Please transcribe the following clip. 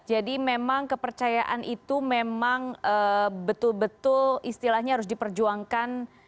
jadi memang kepercayaan itu memang betul betul istilahnya harus diperjuangkan